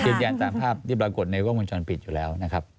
ยืนยันตามภาพที่ปรากฏในวงชวนปิดอยู่แล้วนะครับ